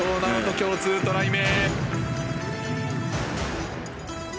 今日２トライ目。